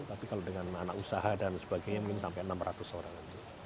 tapi kalau dengan anak usaha dan sebagainya mungkin sampai enam ratus orang aja